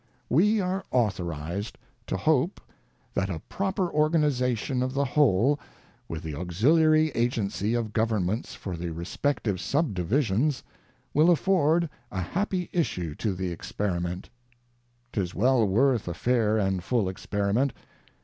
ŌĆö We are authorized to hope that a proper or ganization of the whole, with the auxiliary agency of governments for the respective subdivisions, will afford a happy issue to the experiment. 'Tis well worth a fair and full experiment.